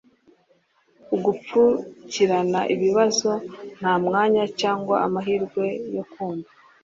ugupfukirana ibibazo nta mwanya cyangwa amahirwe yo kumva